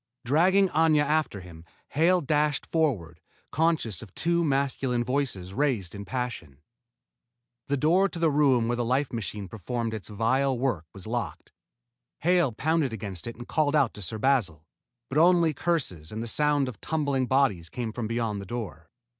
Dragging Aña after him, Hale dashed forward, conscious of two masculine voices raised in passion. The door to the room where the life machine performed its vile work was locked. Hale pounded against it and called out to Sir Basil, but only curses and the sound of tumbling bodies came from beyond the door.